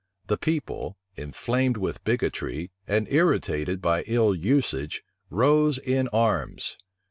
The people, inflamed with bigotry, and irritated by ill usage, rose in arms.